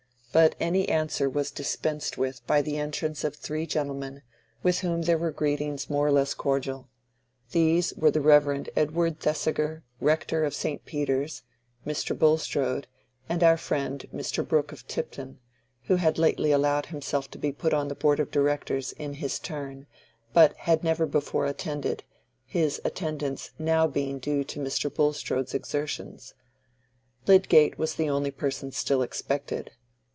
But any answer was dispensed with by the entrance of three gentlemen, with whom there were greetings more or less cordial. These were the Reverend Edward Thesiger, Rector of St. Peter's, Mr. Bulstrode, and our friend Mr. Brooke of Tipton, who had lately allowed himself to be put on the board of directors in his turn, but had never before attended, his attendance now being due to Mr. Bulstrode's exertions. Lydgate was the only person still expected.